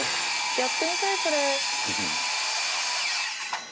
やってみたいこれ。